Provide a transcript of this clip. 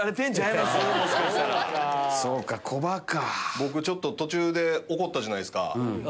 僕ちょっと途中で怒ったじゃないですか。